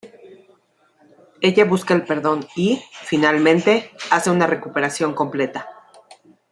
Ella busca el perdón y, finalmente, hace una recuperación completa.